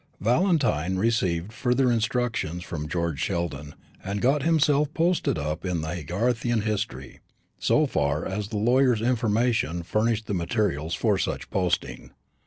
Valentine received further instructions from George Sheldon, and got himself posted up in the Haygarthian history, so far as the lawyer's information furnished the materials for such posting.